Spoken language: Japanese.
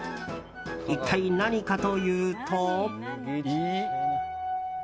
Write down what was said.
一体、何かというと。